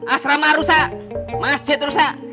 asrama rusak masjid rusak